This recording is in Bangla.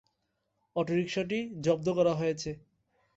অটোরিকশাটি জব্দ করা হয়েছে।